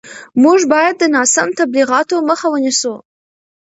موږ باید د ناسم تبلیغاتو مخه ونیسو.